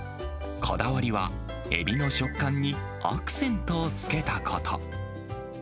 こだわりは、エビの食感にアクセントをつけたこと。